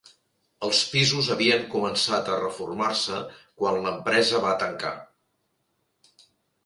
Els pisos havien començat a reformar-se quan l'empresa va tancar.